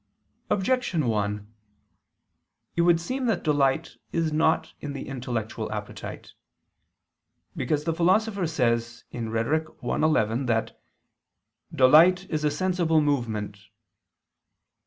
Objection 1: It would seem that delight is not in the intellectual appetite. Because the Philosopher says (Rhet. i, 11) that "delight is a sensible movement."